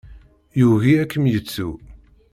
Yugi ad kem-yettu.